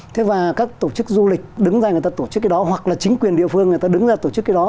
thế và các tổ chức du lịch đứng ra người ta tổ chức cái đó hoặc là chính quyền địa phương người ta đứng ra tổ chức cái đó